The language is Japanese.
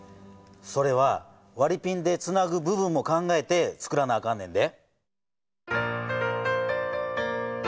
それはわりピンでつなぐ部分も考えてつくらなあかんねんで。